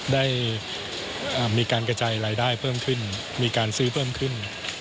ได้มีการกระจายรายได้เพิ่มขึ้นมีการซื้อเพิ่มขึ้น